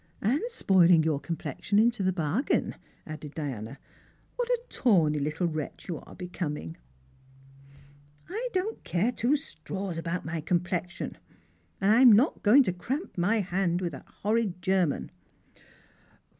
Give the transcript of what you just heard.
" And spoiling your comj^lexion into the bargain," added Diana. " What a tawny Uttle wretch you are becoming !"" I don't care two straws about my complexion, and I'm not going to cramp my hand with that horrid German